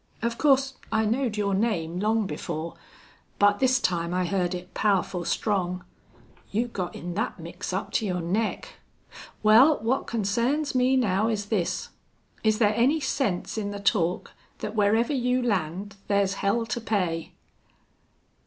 Of course I knowed your name long before, but this time I heerd it powerful strong. You got in thet mix up to your neck.... Wal, what consarns me now is this. Is there any sense in the talk thet wherever you land there's hell to pay?"